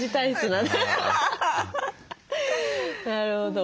なるほど。